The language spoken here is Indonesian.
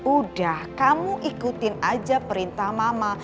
udah kamu ikutin aja perintah mama